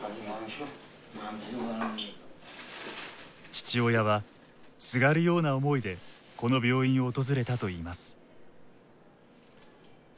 父親はすがるような思いでこの病院を訪れたといいます。